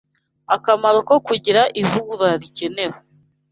Akamaro ko Kugira Ivugurura Rikenewe